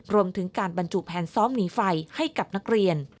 รวมถึงการบรรจุแผนซ้อมหนีไฟให้กับนักเรียน